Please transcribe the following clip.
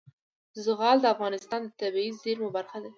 زغال د افغانستان د طبیعي زیرمو برخه ده.